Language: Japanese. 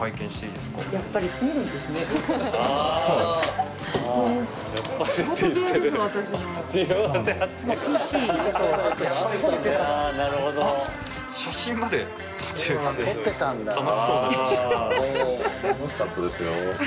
楽しかったですよ。